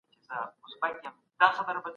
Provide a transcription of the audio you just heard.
دښمن ته د ځان ټولولو فرصت مه ورکوه.